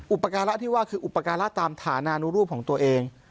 อุปการะที่ว่าคืออุปการะตามฐานานุรูปของตัวเอง